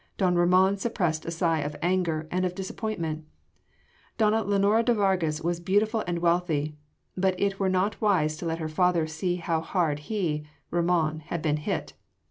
Don Ramon suppressed a sigh of anger and of disappointment: donna Lenora de Vargas was beautiful and wealthy, but it were not wise to let her father see how hard he Ramon had been hit.